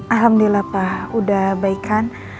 alhamdulillah pak udah baik kan